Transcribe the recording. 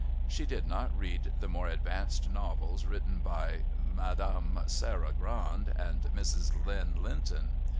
She did not read the more advanced novels written by Mme. Sarah Grand and Mrs. Lynn Linton.